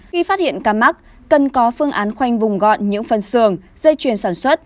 khi phát hiện ca mắc cần có phương án khoanh vùng gọn những phân xưởng dây chuyền sản xuất